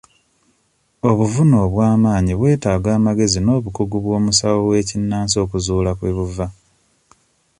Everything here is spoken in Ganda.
Obuvune obwa maanyi bwetaaga amagezi n'obukugu bw'omusawo w'ekinnansi okuzuula kwe buva.